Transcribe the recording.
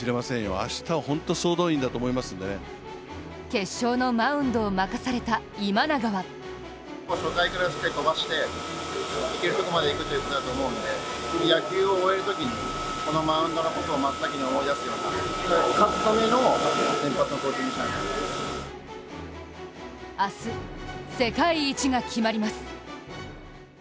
決勝のマウンドを任された今永は明日、世界一が決まります。